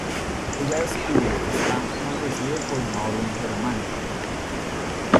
Ella descubre que está maldecido por una orden germánica.